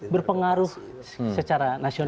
berpengaruh secara nasional